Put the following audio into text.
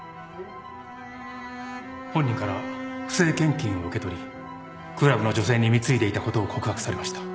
本人から不正献金を受け取りクラブの女性に貢いでいたことを告白されました。